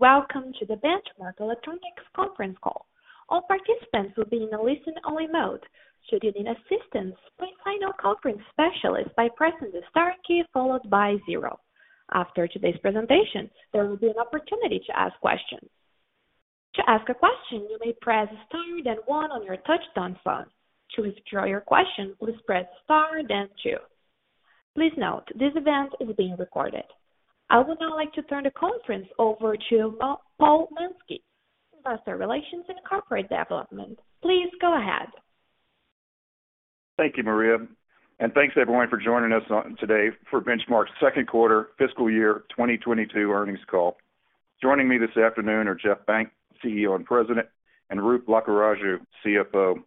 Welcome to the Benchmark Electronics conference call. All participants will be in a listen-only mode. Should you need assistance, please find our conference specialist by pressing the star key followed by zero. After today's presentation, there will be an opportunity to ask questions. To ask a question, you may press star then one on your touch-tone phone. To withdraw your question, please press star then two. Please note, this event is being recorded. I would now like to turn the conference over to Paul Mansky, Investor Relations and Corporate Development. Please go ahead. Thank you, Maria, and thanks everyone for joining us today for Benchmark's second quarter fiscal year 2022 earnings call. Joining me this afternoon are Jeff Benck, CEO and President, and Roop Lakkaraju, CFO.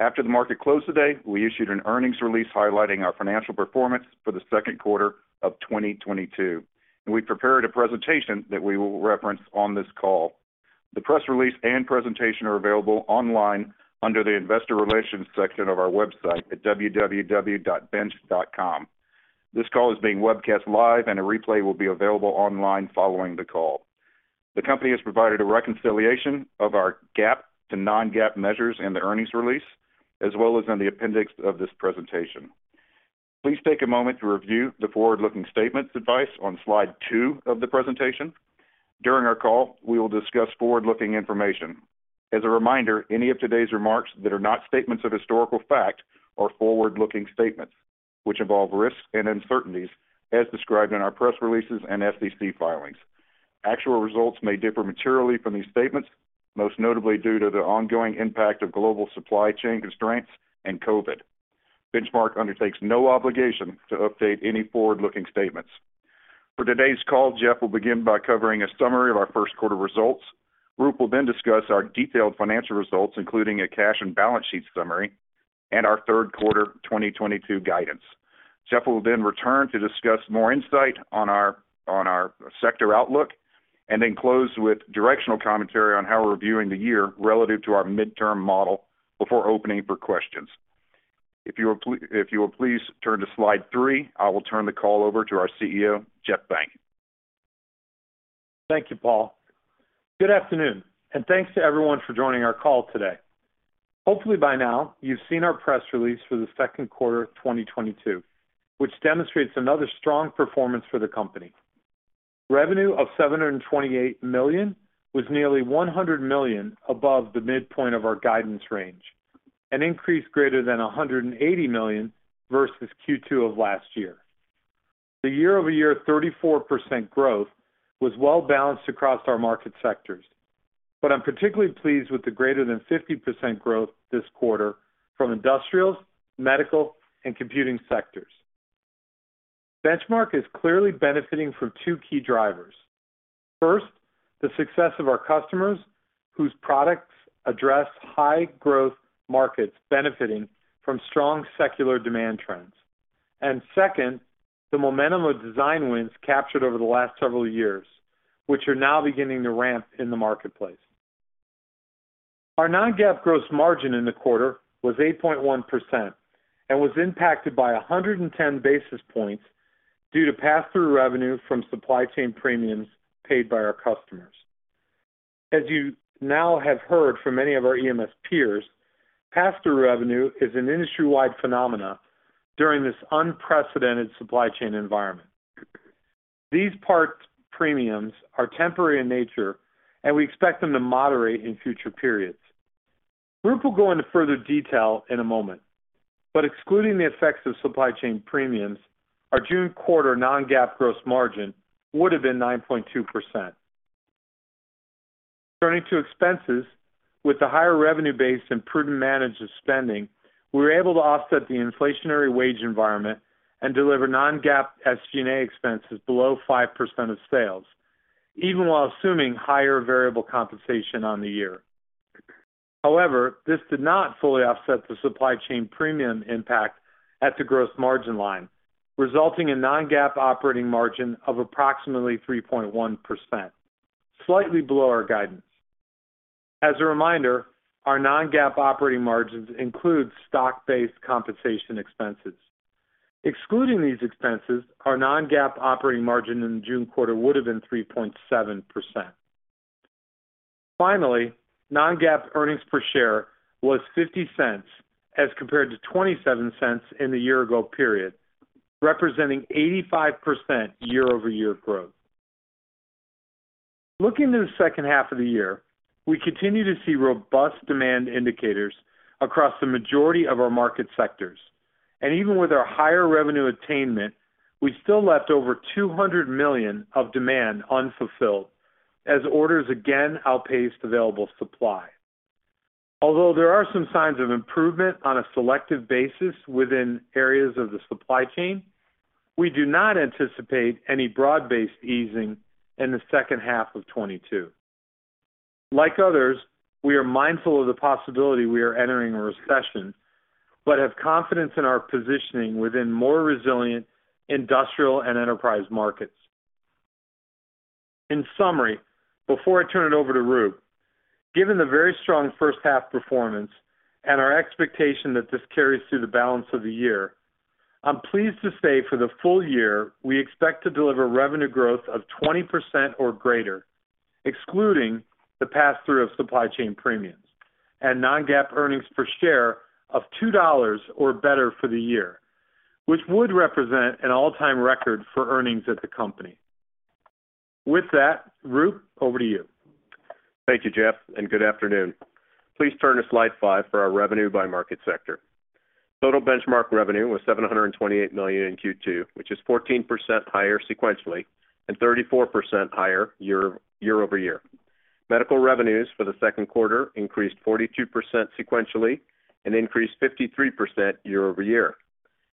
After the market closed today, we issued an earnings release highlighting our financial performance for the second quarter of 2022. We prepared a presentation that we will reference on this call. The press release and presentation are available online under the Investor Relations section of our website at www.ir.bench.com. This call is being webcast live, and a replay will be available online following the call. The company has provided a reconciliation of our GAAP to non-GAAP measures in the earnings release, as well as in the appendix of this presentation. Please take a moment to review the forward-looking statements advice on slide two of the presentation. During our call, we will discuss forward-looking information. As a reminder, any of today's remarks that are not statements of historical fact are forward-looking statements, which involve risks and uncertainties as described in our press releases and SEC filings. Actual results may differ materially from these statements, most notably due to the ongoing impact of global supply chain constraints and COVID. Benchmark undertakes no obligation to update any forward-looking statements. For today's call, Jeff will begin by covering a summary of our first quarter results. Roop will then discuss our detailed financial results, including a cash and balance sheet summary and our third quarter 2022 guidance. Jeff will then return to discuss more insight on our sector outlook and then close with directional commentary on how we're viewing the year relative to our midterm model before opening for questions. If you will please turn to slide three, I will turn the call over to our CEO, Jeff Benck. Thank you, Paul. Good afternoon, and thanks to everyone for joining our call today. Hopefully by now, you've seen our press release for the second quarter of 2022, which demonstrates another strong performance for the company. Revenue of $728 million was nearly $100 million above the midpoint of our guidance range, an increase greater than $180 million versus Q2 of last year. The year-over-year 34% growth was well-balanced across our market sectors. I'm particularly pleased with the greater than 50% growth this quarter from industrials, medical, and computing sectors. Benchmark is clearly benefiting from two key drivers. First, the success of our customers, whose products address high-growth markets benefiting from strong secular demand trends. Second, the momentum of design wins captured over the last several years, which are now beginning to ramp in the marketplace. Our non-GAAP gross margin in the quarter was 8.1% and was impacted by 110 basis points due to pass-through revenue from supply chain premiums paid by our customers. As you now have heard from many of our EMS peers, pass-through revenue is an industry-wide phenomenon during this unprecedented supply chain environment. These parts premiums are temporary in nature, and we expect them to moderate in future periods. Roop will go into further detail in a moment. Excluding the effects of supply chain premiums, our June quarter non-GAAP gross margin would have been 9.2%. Turning to expenses, with the higher revenue base and prudent management of spending, we were able to offset the inflationary wage environment and deliver non-GAAP SG&A expenses below 5% of sales, even while assuming higher variable compensation on the year. However, this did not fully offset the supply chain premium impact at the gross margin line, resulting in non-GAAP operating margin of approximately 3.1%, slightly below our guidance. As a reminder, our non-GAAP operating margins include stock-based compensation expenses. Excluding these expenses, our non-GAAP operating margin in the June quarter would have been 3.7%. Finally, non-GAAP EPS was $0.50 as compared to $0.27 in the year ago period, representing 85% year-over-year growth. Looking to the second half of the year, we continue to see robust demand indicators across the majority of our market sectors. Even with our higher revenue attainment, we still left over $200 million of demand unfulfilled as orders again outpaced available supply. Although there are some signs of improvement on a selective basis within areas of the supply chain, we do not anticipate any broad-based easing in the second half of 2022. Like others, we are mindful of the possibility we are entering a recession, but have confidence in our positioning within more resilient industrial and enterprise markets. In summary, before I turn it over to Roop. Given the very strong first half performance and our expectation that this carries through the balance of the year, I'm pleased to say for the full year, we expect to deliver revenue growth of 20% or greater, excluding the pass-through of supply chain premiums and non-GAAP earnings per share of $2 or better for the year, which would represent an all-time record for earnings at the company. With that, Roop, over to you. Thank you, Jeff, and good afternoon. Please turn to slide five for our revenue by market sector. Total Benchmark revenue was $728 million in Q2, which is 14% higher sequentially and 34% higher year-over-year. Medical revenues for the second quarter increased 42% sequentially and increased 53% year-over-year.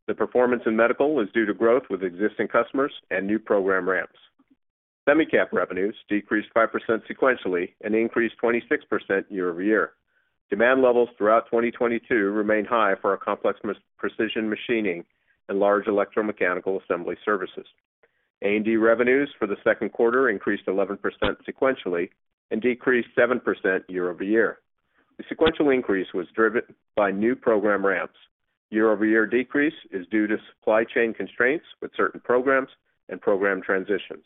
The performance in medical was due to growth with existing customers and new program ramps. Semicap revenues decreased 5% sequentially and increased 26% year-over-year. Demand levels throughout 2022 remain high for our complex micro-precision machining and large electromechanical assembly services. A&D revenues for the second quarter increased 11% sequentially and decreased 7% year-over-year. The sequential increase was driven by new program ramps. Year-over-year decrease is due to supply chain constraints with certain programs and program transitions.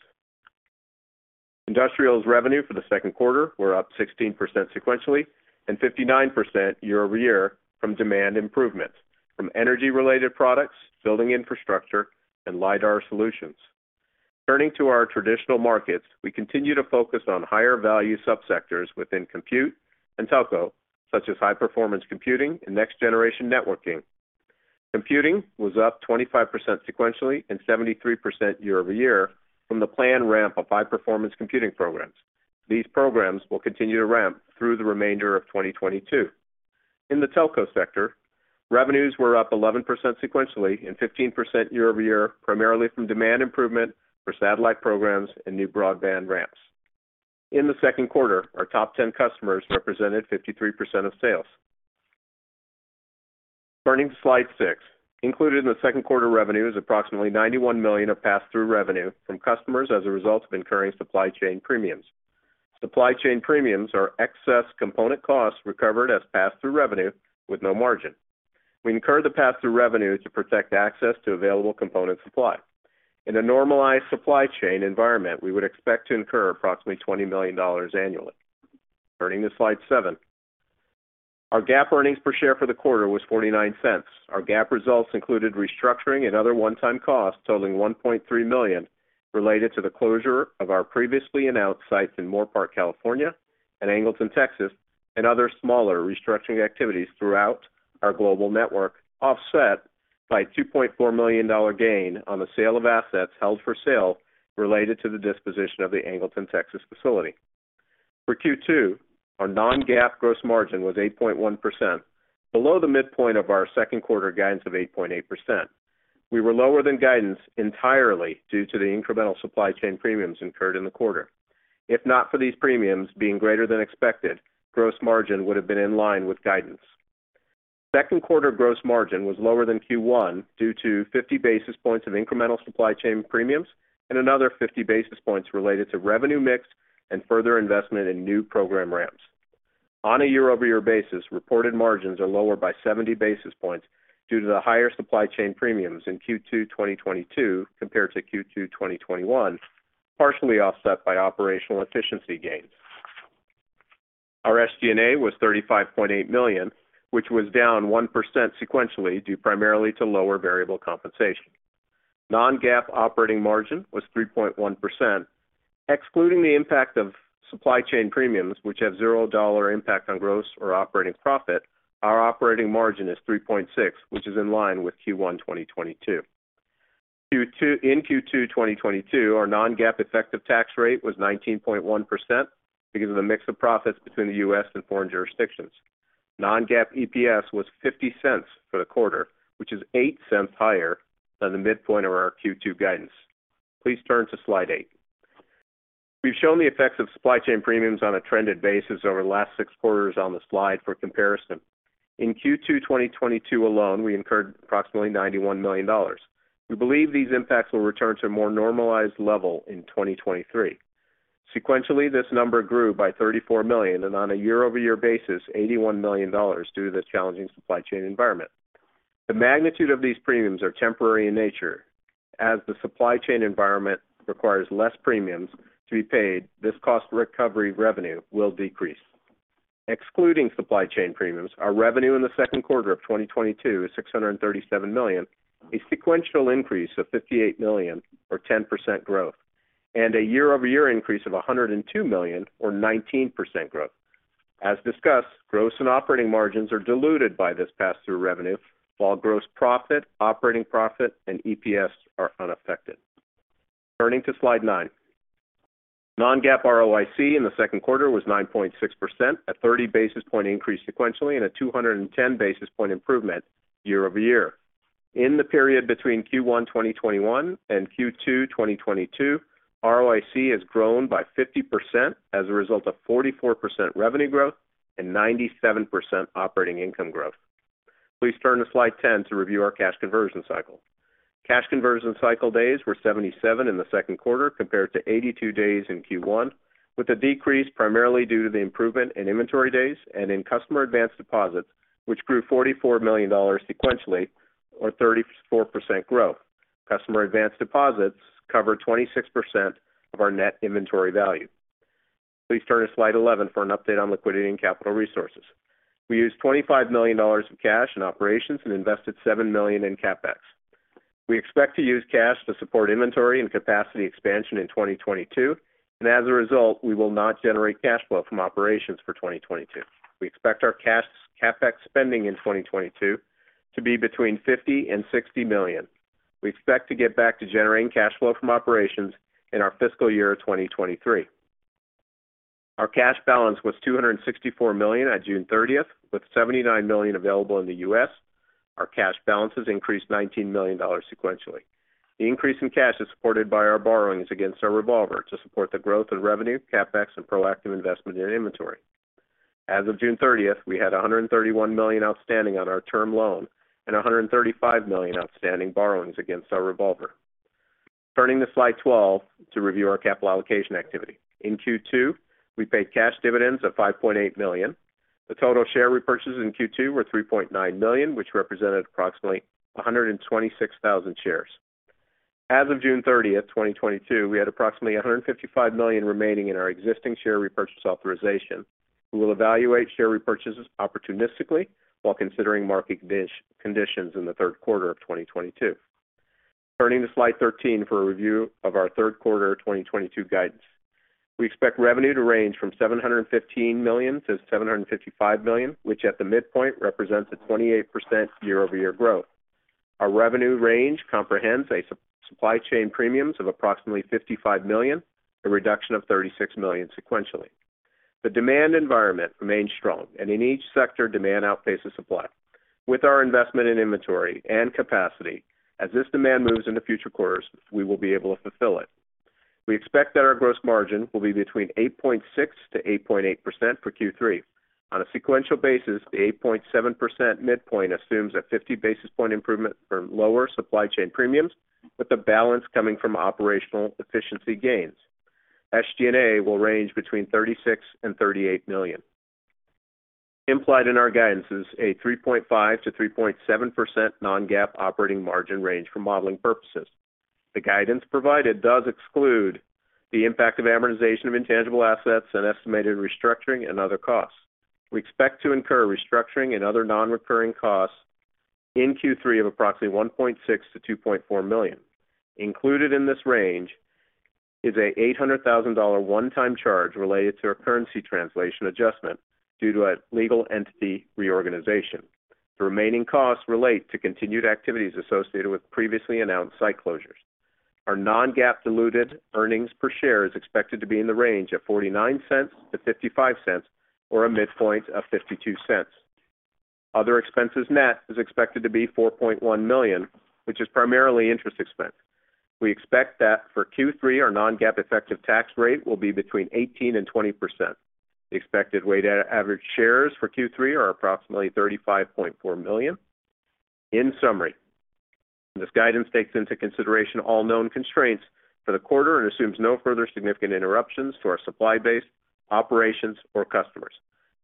Industrials revenue for the second quarter were up 16% sequentially and 59% year-over-year from demand improvements from energy-related products, building infrastructure, and lidar solutions. Turning to our traditional markets, we continue to focus on higher value sub-sectors within compute and telco, such as high-performance computing and next-generation networking. Computing was up 25% sequentially and 73% year-over-year from the planned ramp of high-performance computing programs. These programs will continue to ramp through the remainder of 2022. In the telco sector, revenues were up 11% sequentially and 15% year-over-year, primarily from demand improvement for satellite programs and new broadband ramps. In the second quarter, our top 10 customers represented 53% of sales. Turning to slide six. Included in the second quarter revenue is approximately $91 million of pass-through revenue from customers as a result of incurring supply chain premiums. Supply chain premiums are excess component costs recovered as pass-through revenue with no margin. We incur the pass-through revenue to protect access to available component supply. In a normalized supply chain environment, we would expect to incur approximately $20 million annually. Turning to slide seven. Our GAAP earnings per share for the quarter was $0.49. Our GAAP results included restructuring and other one-time costs totaling $1.3 million related to the closure of our previously announced sites in Moorpark, California, and Angleton, Texas, and other smaller restructuring activities throughout our global network, offset by a $2.4 million gain on the sale of assets held for sale related to the disposition of the Angleton, Texas facility. For Q2, our non-GAAP gross margin was 8.1%, below the midpoint of our second quarter guidance of 8.8%. We were lower than guidance entirely due to the incremental supply chain premiums incurred in the quarter. If not for these premiums being greater than expected, gross margin would have been in line with guidance. Second quarter gross margin was lower than Q1 due to 50 basis points of incremental supply chain premiums and another 50 basis points related to revenue mix and further investment in new program ramps. On a year-over-year basis, reported margins are lower by 70 basis points due to the higher supply chain premiums in Q2 2022 compared to Q2 2021, partially offset by operational efficiency gains. Our SG&A was $35.8 million, which was down 1% sequentially due primarily to lower variable compensation. Non-GAAP operating margin was 3.1%. Excluding the impact of supply chain premiums, which have zero dollar impact on gross or operating profit, our operating margin is 3.6%, which is in line with Q1 2022. In Q2 2022, our non-GAAP effective tax rate was 19.1% due to the mix of profits between the US and foreign jurisdictions. Non-GAAP EPS was $0.50 for the quarter, which is $0.08 higher than the midpoint of our Q2 guidance. Please turn to slide eight. We've shown the effects of supply chain premiums on a trended basis over the last 6 quarters on the slide for comparison. In Q2 2022 alone, we incurred approximately $91 million. We believe these impacts will return to a more normalized level in 2023. Sequentially, this number grew by $34 million, and on a year-over-year basis, $81 million due to this challenging supply chain environment. The magnitude of these premiums are temporary in nature. As the supply chain environment requires less premiums to be paid, this cost recovery revenue will decrease. Excluding supply chain premiums, our revenue in the second quarter of 2022 is $637 million, a sequential increase of $58 million or 10% growth, and a year-over-year increase of $102 million or 19% growth. As discussed, gross and operating margins are diluted by this pass-through revenue, while gross profit, operating profit, and EPS are unaffected. Turning to slide 9. Non-GAAP ROIC in the second quarter was 9.6%, a 30 basis point increase sequentially and a 210 basis point improvement year-over-year. In the period between Q1 2021 and Q2 2022, ROIC has grown by 50% as a result of 44% revenue growth and 97% operating income growth. Please turn to slide 10 to review our cash conversion cycle. Cash conversion cycle days were 77 in the second quarter compared to 82 days in Q1, with a decrease primarily due to the improvement in inventory days and in customer advance deposits, which grew $44 million sequentially or 34% growth. Customer advance deposits cover 26% of our net inventory value. Please turn to slide 11 for an update on liquidity and capital resources. We used $25 million of cash in operations and invested $7 million in CapEx. We expect to use cash to support inventory and capacity expansion in 2022, and as a result, we will not generate cash flow from operations for 2022. We expect our cash CapEx spending in 2022 to be between $50 million-$60 million. We expect to get back to generating cash flow from operations in our fiscal year 2023. Our cash balance was $264 million on June thirtieth, with $79 million available in the U.S. Our cash balances increased $19 million sequentially. The increase in cash is supported by our borrowings against our revolver to support the growth of revenue, CapEx, and proactive investment in inventory. As of June thirtieth, we had $131 million outstanding on our term loan and $135 million outstanding borrowings against our revolver. Turning to slide 12 to review our capital allocation activity. In Q2, we paid cash dividends of $5.8 million. The total share repurchases in Q2 were $3.9 million, which represented approximately 126,000 shares. As of June 30th, 2022, we had approximately $155 million remaining in our existing share repurchase authorization. We will evaluate share repurchases opportunistically while considering market conditions in the third quarter of 2022. Turning to slide 13 for a review of our third quarter 2022 guidance. We expect revenue to range from $715 million-$755 million, which at the midpoint represents a 28% year-over-year growth. Our revenue range comprehends a supply chain premiums of approximately $55 million, a reduction of $36 million sequentially. The demand environment remains strong, and in each sector, demand outpaces supply. With our investment in inventory and capacity, as this demand moves into future quarters, we will be able to fulfill it. We expect that our gross margin will be between 8.6%-8.8% for Q3. On a sequential basis, the 8.7% midpoint assumes a 50 basis point improvement for lower supply chain premiums, with the balance coming from operational efficiency gains. SG&A will range between $36 million and $38 million. Implied in our guidance is a 3.5%-3.7% non-GAAP operating margin range for modeling purposes. The guidance provided does exclude the impact of amortization of intangible assets and estimated restructuring and other costs. We expect to incur restructuring and other non-recurring costs in Q3 of approximately $1.6 million-$2.4 million. Included in this range is an $800,000 one-time charge related to our currency translation adjustment due to a legal entity reorganization. The remaining costs relate to continued activities associated with previously announced site closures. Our non-GAAP diluted earnings per share is expected to be in the range of $0.49-$0.55, or a midpoint of $0.52. Other expenses net is expected to be $4.1 million, which is primarily interest expense. We expect that for Q3, our non-GAAP effective tax rate will be between 18%-20%. The expected weighted average shares for Q3 are approximately 35.4 million. In summary, this guidance takes into consideration all known constraints for the quarter and assumes no further significant interruptions to our supply base, operations, or customers.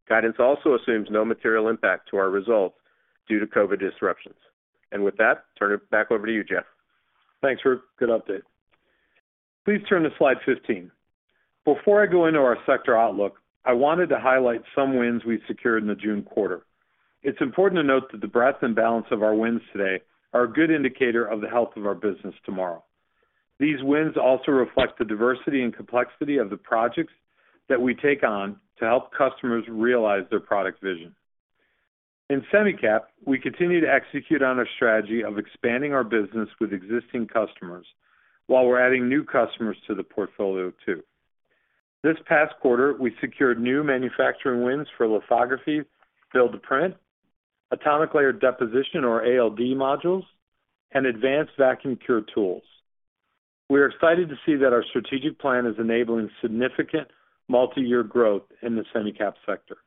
Guidance also assumes no material impact to our results due to COVID disruptions. With that, turn it back over to you, Jeff. Thanks, Roop. Good update. Please turn to slide 15. Before I go into our sector outlook, I wanted to highlight some wins we secured in the June quarter. It's important to note that the breadth and balance of our wins today are a good indicator of the health of our business tomorrow. These wins also reflect the diversity and complexity of the projects that we take on to help customers realize their product vision. In semicap, we continue to execute on our strategy of expanding our business with existing customers, while we're adding new customers to the portfolio too. This past quarter, we secured new manufacturing wins for lithography, build to print, atomic layer deposition or ALD modules, and advanced vacuum cure tools. We are excited to see that our strategic plan is enabling significant multi-year growth in the semicap sector.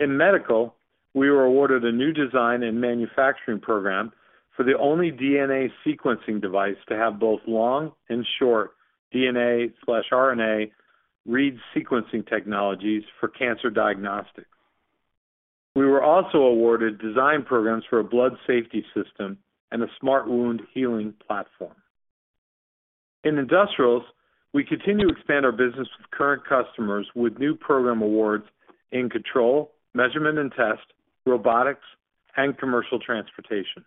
In medical, we were awarded a new design and manufacturing program for the only DNA sequencing device to have both long and short DNA/RNA read sequencing technologies for cancer diagnostics. We were also awarded design programs for a blood safety system and a smart wound healing platform. In industrials, we continue to expand our business with current customers with new program awards in control, measurement and test, robotics, and commercial transportation.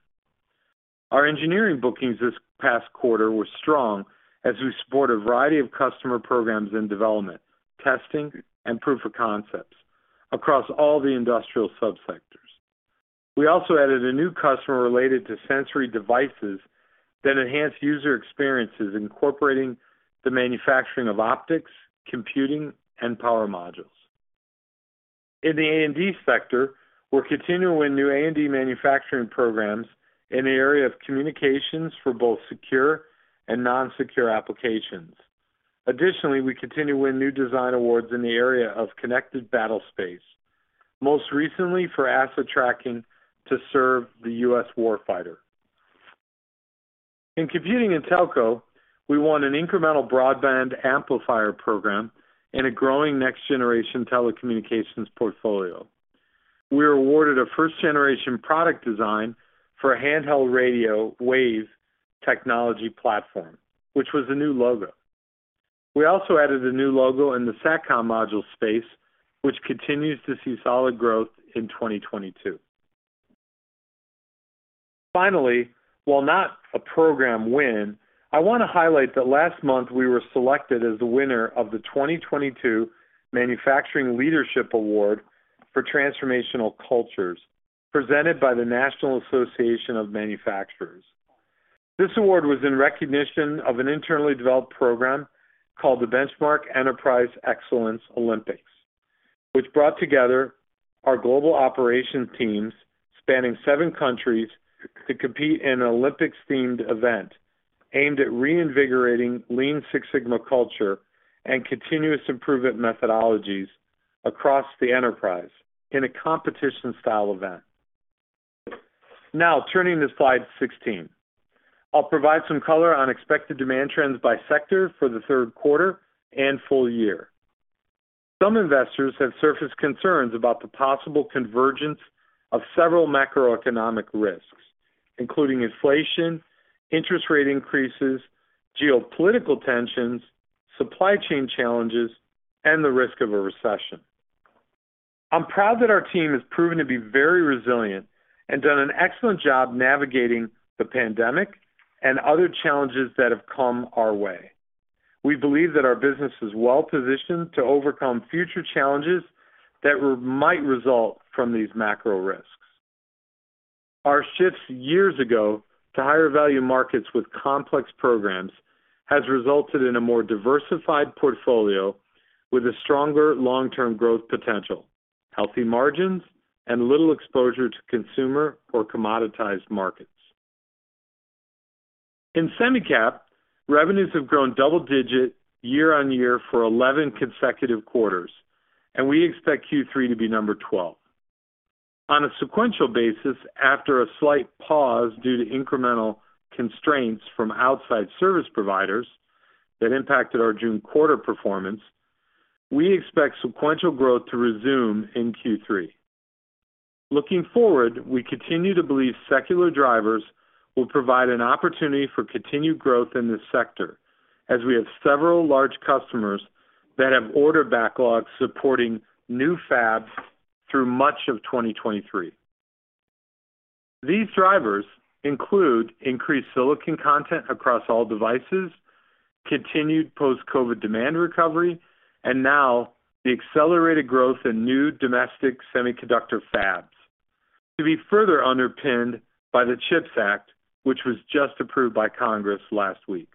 Our engineering bookings this past quarter were strong as we support a variety of customer programs in development, testing, and proof of concepts across all the industrial subsectors. We also added a new customer related to sensory devices that enhance user experiences, incorporating the manufacturing of optics, computing, and power modules. In the A&D sector, we're continuing to win new A&D manufacturing programs in the area of communications for both secure and non-secure applications. Additionally, we continue to win new design awards in the area of connected battle space, most recently for asset tracking to serve the U.S. warfighter. In computing and telco, we won an incremental broadband amplifier program in a growing next generation telecommunications portfolio. We were awarded a first-generation product design for a handheld radio waves technology platform, which was a new logo. We also added a new logo in the SATCOM module space, which continues to see solid growth in 2022. Finally, while not a program win, I wanna highlight that last month we were selected as the winner of the 2022 Manufacturing Leadership Award for Transformational Cultures, presented by the National Association of Manufacturers. This award was in recognition of an internally developed program called the Benchmark Enterprise Excellence Olympics, which brought together our global operations teams spanning seven countries to compete in an Olympics-themed event aimed at reinvigorating Lean Six Sigma culture and continuous improvement methodologies across the enterprise in a competition-style event. Now turning to slide 16. I'll provide some color on expected demand trends by sector for the third quarter and full year. Some investors have surfaced concerns about the possible convergence of several macroeconomic risks, including inflation, interest rate increases, geopolitical tensions, supply chain challenges, and the risk of a recession. I'm proud that our team has proven to be very resilient and done an excellent job navigating the pandemic and other challenges that have come our way. We believe that our business is well-positioned to overcome future challenges that might result from these macro risks. Our shifts years ago to higher value markets with complex programs has resulted in a more diversified portfolio with a stronger long-term growth potential, healthy margins, and little exposure to consumer or commoditized markets. In semicap, revenues have grown double-digit year-over-year for 11 consecutive quarters, and we expect Q3 to be number 12. On a sequential basis, after a slight pause due to incremental constraints from outside service providers that impacted our June quarter performance, we expect sequential growth to resume in Q3. Looking forward, we continue to believe secular drivers will provide an opportunity for continued growth in this sector as we have several large customers that have order backlogs supporting new fabs through much of 2023. These drivers include increased silicon content across all devices, continued post-COVID demand recovery, and now the accelerated growth in new domestic semiconductor fabs to be further underpinned by the CHIPS Act, which was just approved by Congress last week.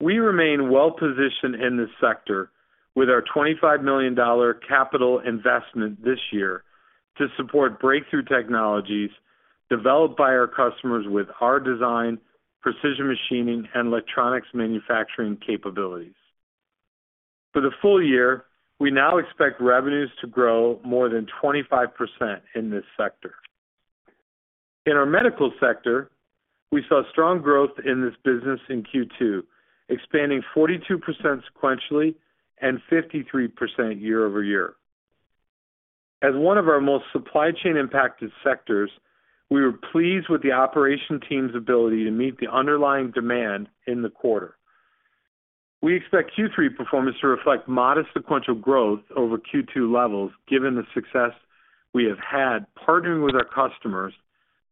We remain well positioned in this sector with our $25 million capital investment this year to support breakthrough technologies developed by our customers with our design, precision machining, and electronics manufacturing capabilities. For the full year, we now expect revenues to grow more than 25% in this sector. In our medical sector, we saw strong growth in this business in Q2, expanding 42% sequentially and 53% year-over-year. As one of our most supply chain impacted sectors, we were pleased with the operation team's ability to meet the underlying demand in the quarter. We expect Q3 performance to reflect modest sequential growth over Q2 levels given the success we have had partnering with our customers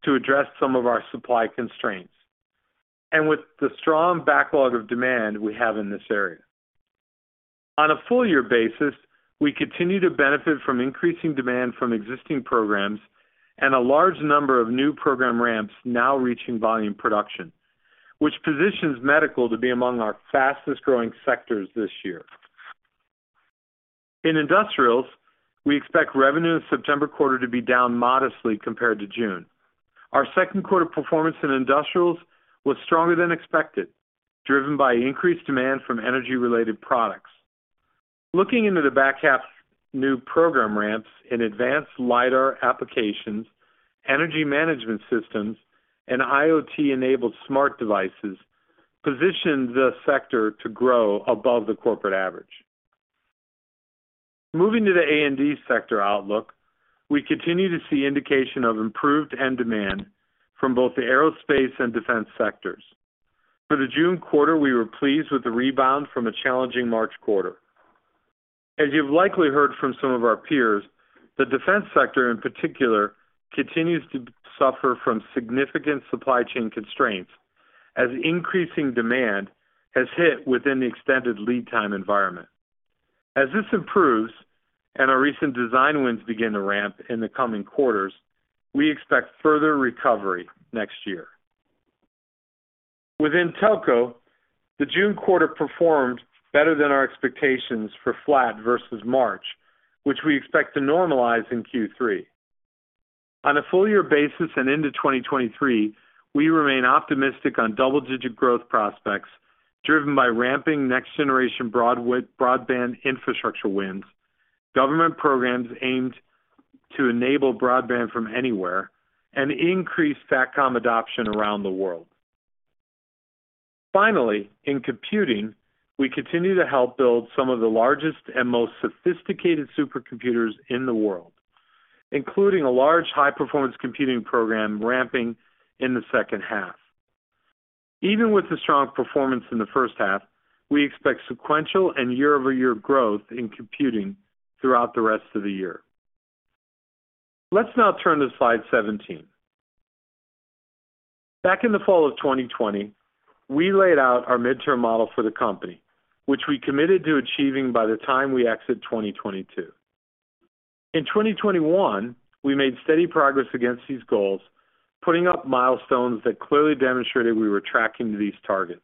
to address some of our supply constraints, and with the strong backlog of demand we have in this area. On a full year basis, we continue to benefit from increasing demand from existing programs and a large number of new program ramps now reaching volume production, which positions medical to be among our fastest growing sectors this year. In industrials, we expect revenue in September quarter to be down modestly compared to June. Our second quarter performance in industrials was stronger than expected, driven by increased demand from energy-related products. Looking into the back half's new program ramps in advanced lidar applications, energy management systems, and IoT-enabled smart devices position the sector to grow above the corporate average. Moving to the A&D sector outlook, we continue to see indication of improved end demand from both the aerospace and defense sectors. For the June quarter, we were pleased with the rebound from a challenging March quarter. As you've likely heard from some of our peers, the defense sector in particular continues to suffer from significant supply chain constraints as increasing demand has hit within the extended lead time environment. As this improves and our recent design wins begin to ramp in the coming quarters, we expect further recovery next year. Within telco, the June quarter performed better than our expectations for flat versus March, which we expect to normalize in Q3. On a full year basis and into 2023, we remain optimistic on double-digit growth prospects driven by ramping next generation broadband infrastructure wins, government programs aimed to enable broadband from anywhere and increase SATCOM adoption around the world. Finally, in computing, we continue to help build some of the largest and most sophisticated supercomputers in the world, including a large high-performance computing program ramping in the second half. Even with the strong performance in the first half, we expect sequential and year-over-year growth in computing throughout the rest of the year. Let's now turn to slide 17. Back in the fall of 2020, we laid out our midterm model for the company, which we committed to achieving by the time we exit 2022. In 2021, we made steady progress against these goals, putting up milestones that clearly demonstrated we were tracking these targets.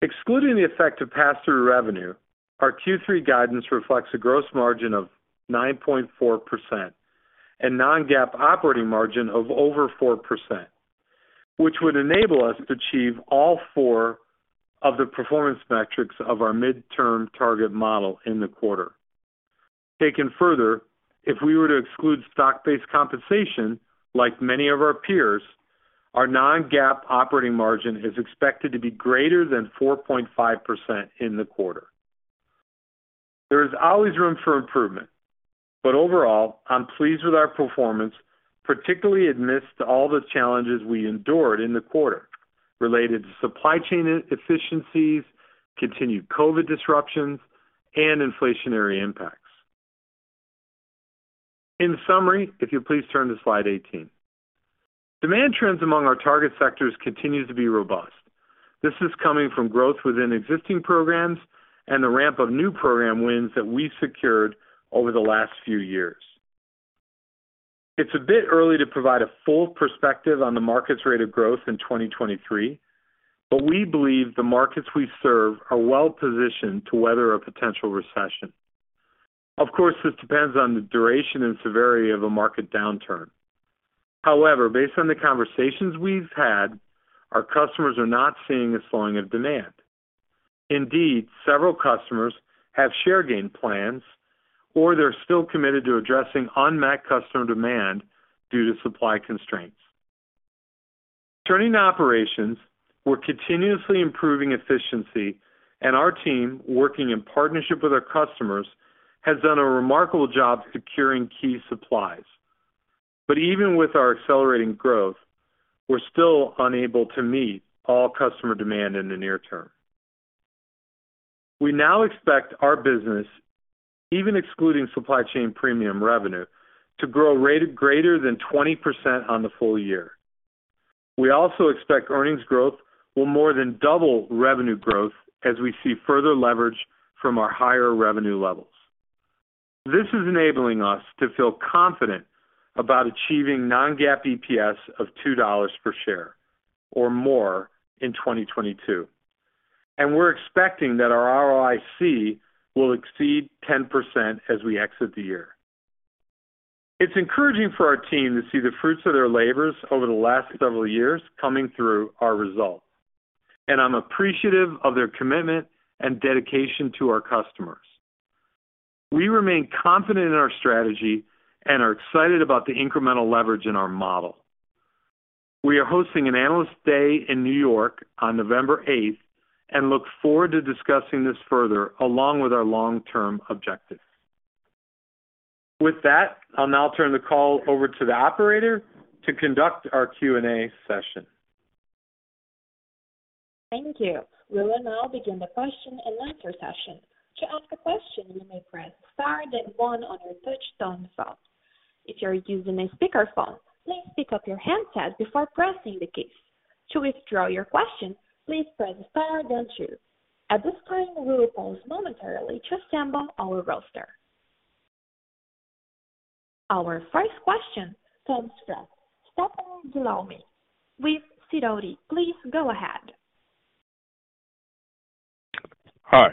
Excluding the effect of pass-through revenue, our Q3 guidance reflects a gross margin of 9.4% and non-GAAP operating margin of over 4%, which would enable us to achieve all four of the performance metrics of our midterm target model in the quarter. Taken further, if we were to exclude stock-based compensation, like many of our peers, our non-GAAP operating margin is expected to be greater than 4.5% in the quarter. There is always room for improvement, but overall, I'm pleased with our performance, particularly amidst all the challenges we endured in the quarter related to supply chain inefficiencies, continued COVID disruptions, and inflationary impacts. In summary, if you please turn to slide 18. Demand trends among our target sectors continues to be robust. This is coming from growth within existing programs and the ramp of new program wins that we secured over the last few years. It's a bit early to provide a full perspective on the market's rate of growth in 2023, but we believe the markets we serve are well positioned to weather a potential recession. Of course, this depends on the duration and severity of a market downturn. However, based on the conversations we've had, our customers are not seeing a slowing of demand. Indeed, several customers have share gain plans, or they're still committed to addressing unmet customer demand due to supply constraints. Turning to operations, we're continuously improving efficiency, and our team, working in partnership with our customers, has done a remarkable job securing key supplies. But even with our accelerating growth, we're still unable to meet all customer demand in the near term. We now expect our business, even excluding supply chain premium revenue, to grow at a rate greater than 20% for the full year. We also expect earnings growth will more than double revenue growth as we see further leverage from our higher revenue levels. This is enabling us to feel confident about achieving non-GAAP EPS of $2 per share or more in 2022, and we're expecting that our ROIC will exceed 10% as we exit the year. It's encouraging for our team to see the fruits of their labors over the last several years coming through our results, and I'm appreciative of their commitment and dedication to our customers. We remain confident in our strategy and are excited about the incremental leverage in our model. We are hosting an Analyst Day in New York on November eighth and look forward to discussing this further along with our long-term objectives. With that, I'll now turn the call over to the operator to conduct our Q&A session. Thank you. We will now begin the question-and-answer session. To ask a question, you may press star then one on your touchtone phone. If you are using a speakerphone, please pick up your handset before pressing the keys. To withdraw your question, please press star then two. At this time, we will pause momentarily to assemble our roster. Our first question comes from Anja Soderstrom with Sidoti. Please go ahead. Hi,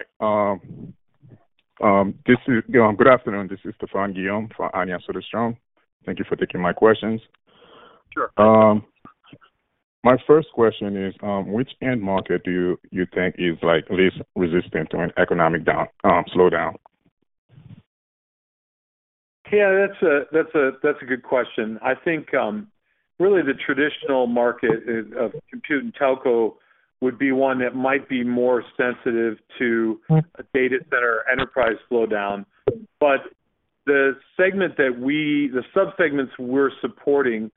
good afternoon. This is Stephane Guillaume for Anja Soderstrom. Thank you for taking my questions. Sure. My first question is, which end market do you think is, like, least resistant to an economic slowdown? Yeah, that's a good question. I think, really the traditional market is of compute and telco would be one that might be more sensitive to a data center enterprise slowdown. The sub-segments we're supporting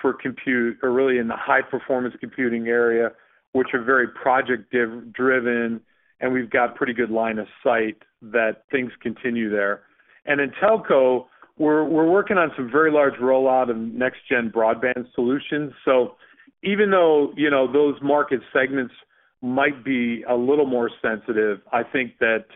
for compute are really in the high-performance computing area, which are very project driven, and we've got pretty good line of sight that things continue there. In telco, we're working on some very large rollout of next gen broadband solutions. Even though, you know, those market segments might be a little more sensitive, I think that,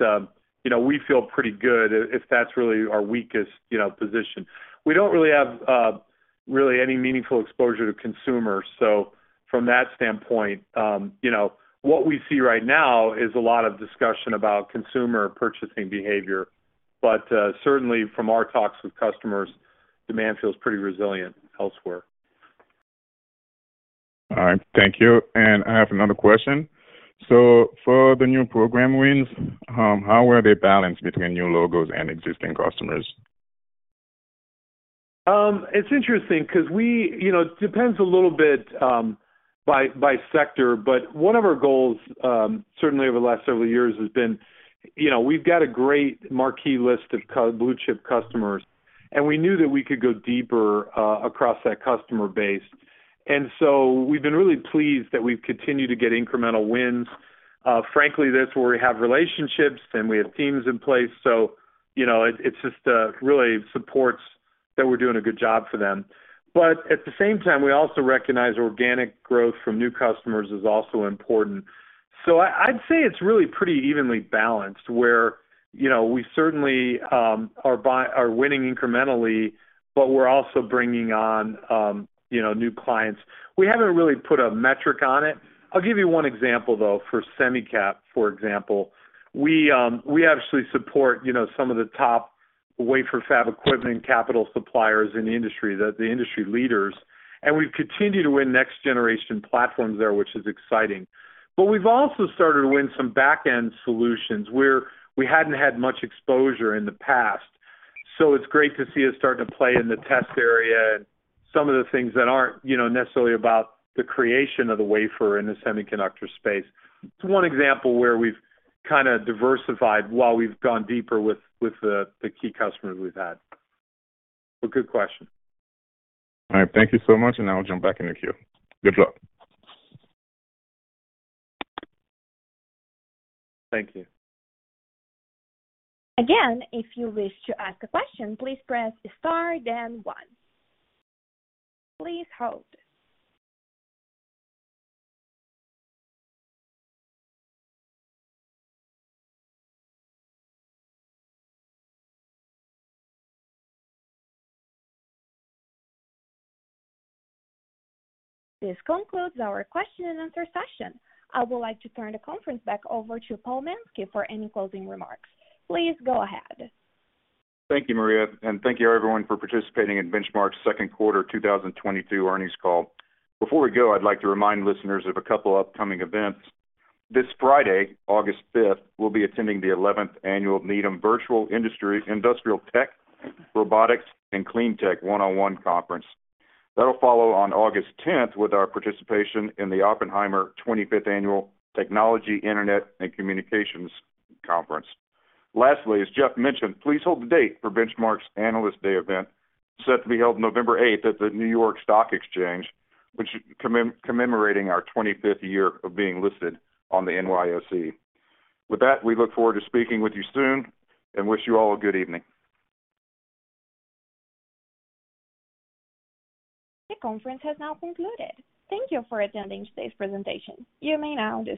you know, we feel pretty good if that's really our weakest, you know, position. We don't really have really any meaningful exposure to consumers. From that standpoint, you know, what we see right now is a lot of discussion about consumer purchasing behavior. Certainly from our talks with customers, demand feels pretty resilient elsewhere. All right. Thank you. I have another question. For the new program wins, how are they balanced between new logos and existing customers? It's interesting 'cause we, you know, it depends a little bit, by sector, but one of our goals, certainly over the last several years has been, you know, we've got a great marquee list of blue chip customers, and we knew that we could go deeper, across that customer base. We've been really pleased that we've continued to get incremental wins. Frankly, that's where we have relationships, and we have teams in place. You know, it just really supports that we're doing a good job for them. At the same time, we also recognize organic growth from new customers is also important. I'd say it's really pretty evenly balanced, where, you know, we certainly are winning incrementally, but we're also bringing on, you know, new clients. We haven't really put a metric on it. I'll give you one example, though, for semicap, for example. We actually support, you know, some of the top wafer fab equipment capital suppliers in the industry, the industry leaders, and we've continued to win next generation platforms there, which is exciting. We've also started to win some back-end solutions where we hadn't had much exposure in the past. It's great to see us start to play in the test area and some of the things that aren't, you know, necessarily about the creation of the wafer in the semiconductor space. It's one example where we've kinda diversified while we've gone deeper with the key customers we've had. A good question. All right. Thank you so much, and I'll jump back in the queue. Good luck. Thank you. Again, if you wish to ask a question, please press star then one. Please hold. This concludes our question and answer session. I would like to turn the conference back over to Paul Mansky for any closing remarks. Please go ahead. Thank you, Maria, and thank you everyone for participating in Benchmark's second quarter 2022 earnings call. Before we go, I'd like to remind listeners of a couple upcoming events. This Friday, August 5, we'll be attending the 11th annual Needham Virtual Industrial Tech, Robotics & Clean Tech one-on-one conference. That'll follow on August 10 with our participation in the Oppenheimer 25th Annual Technology, Internet and Communications Conference. Lastly, as Jeff mentioned, please hold the date for Benchmark's Analyst Day event, set to be held November 8 at the New York Stock Exchange, which commemorating our 25th year of being listed on the NYSE. With that, we look forward to speaking with you soon and wish you all a good evening. The conference has now concluded. Thank you for attending today's presentation. You may now disconnect.